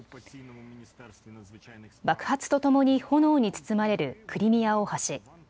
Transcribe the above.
爆発とともに炎に包まれるクリミア大橋。